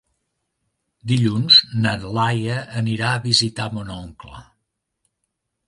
Dilluns na Laia anirà a visitar mon oncle.